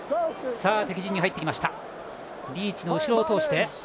敵陣に入ってきた日本。